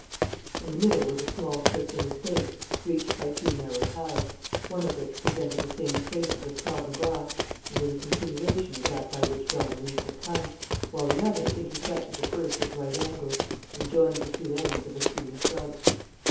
In the middle was a small circular space reached by two narrow paths, one of which presented the same traces of trodden grass and was a continuation of that by which Don Luis had come, while the other intersected the first at right angles and joined the two ends of the screen of shrubs.